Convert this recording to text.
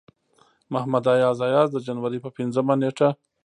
محمد اياز اياز د جنوري پۀ پينځمه نيټه